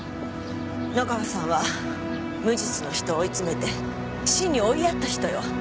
野川さんは無実の人を追い詰めて死に追いやった人よ。